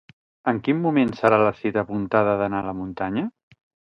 En quin moment serà la cita apuntada d'anar a la muntanya?